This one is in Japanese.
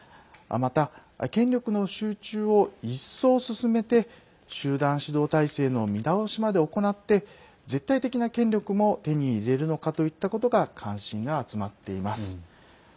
また、権力の集中を一層進めて集団指導体制の見直しまで行って絶対的な権力も手に入れるのかといったことが関心が集まっています。